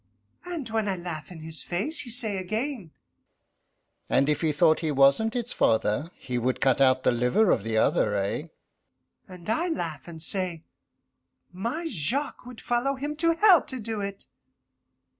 And when I laugh in his face, he say again, "And if he thought he wasn't its father, he would cut out the liver of the other eh?" And I laugh, and say, "My Jacques would follow him to hell to do it."